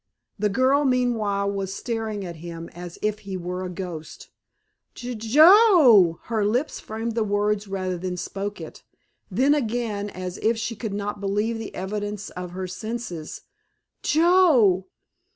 The girl meanwhile was staring at him as if he were a ghost. "J—J—Jo oe!" her lips framed the word rather than spoke it. Then again, as if she could not believe the evidence of her senses—"_Joe!